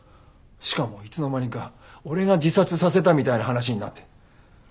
しかもいつの間にか俺が自殺させたみたいな話になって。